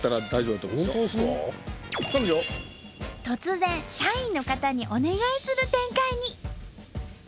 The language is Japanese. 突然社員の方にお願いする展開に！